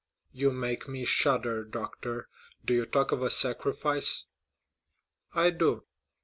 "You make me shudder, doctor. Do you talk of a sacrifice?" "I do."